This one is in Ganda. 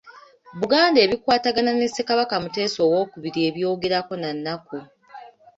Buganda ebikwatagana ne Ssekabaka Muteesa owookubiri ebyogerako na nnaku.